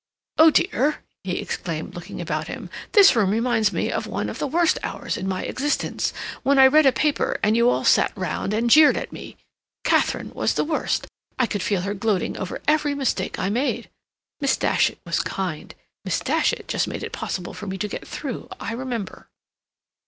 "Oh, dear," he exclaimed, looking about him, "this room reminds me of one of the worst hours in my existence—when I read a paper, and you all sat round and jeered at me. Katharine was the worst. I could feel her gloating over every mistake I made. Miss Datchet was kind. Miss Datchet just made it possible for me to get through, I remember."